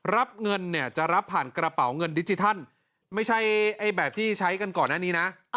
รับเงินเนี่ยจะรับผ่านกระเป๋าเงินดิจิทัลไม่ใช่แบบที่ใช้กันก่อนหน้านี้นะ